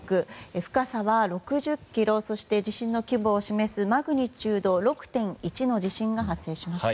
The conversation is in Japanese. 深さは６０ｋｍそして地震の規模を示すマグニチュード６．１の地震が発生しました。